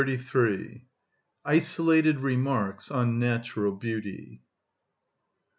(17) Isolated Remarks On Natural Beauty.